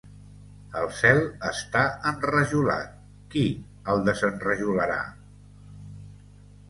El cel està enrajolat, qui el desenrajolarà?